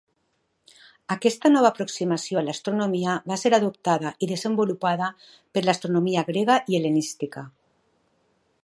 Aquesta nova aproximació a l'astronomia va ser adoptada i desenvolupada per l'astronomia grega i hel·lenística.